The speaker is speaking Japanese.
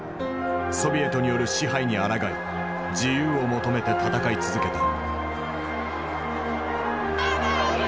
ソビエトによる支配にあらがい自由を求めて闘い続けた。